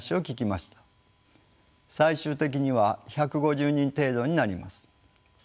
最終的には１５０人程度になります。